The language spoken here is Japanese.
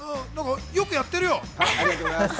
よくやってるよ！